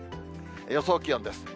予想気温です。